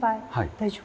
大丈夫？